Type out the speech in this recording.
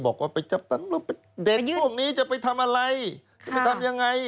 บอกว่าไปเด็ดพวกนี้จะไปทำอะไรจะไปทำยังไง